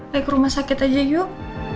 naik ke rumah sakit aja yuk